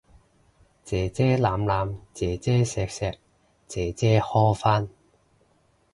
姐姐攬攬，姐姐錫錫，姐姐呵返